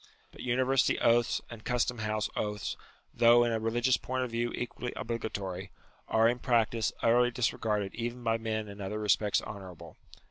But univer sity oaths and custom house oaths, though in a religious point of view equally obligatory, are in practice utterly disregarded even by men in other respects honourable.